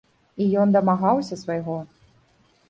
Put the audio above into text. І ён дамагаўся свайго.